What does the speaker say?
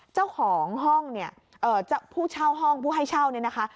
เจ้าของห้องเนี่ยผู้เช่าห้องผู้ให้เช่าเนี่ยนะคะ